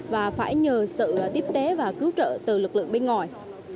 và phải nhờ sự tiếp tế và cứu trợ từ lực lượng bên ngoài